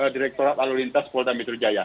direkturat alurintas polda mitrujaya